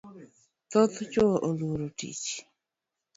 Thoth chuo oluoro tich